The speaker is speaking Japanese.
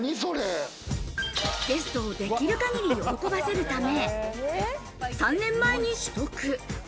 ゲストをできる限り喜ばせるため、３年前に取得。